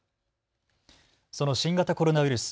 その新型コロナウイルス。